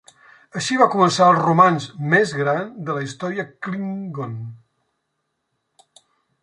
Així va començar el romanç més gran de la història Klingon.